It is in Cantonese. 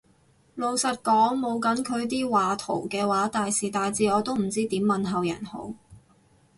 老實講冇噉佢啲賀圖嘅話，大時大節我都唔知點問候人好